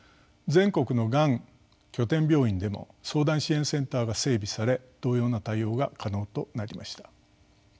全国のがん拠点病院でも相談支援センターが整備され同様な対応が可能となりました。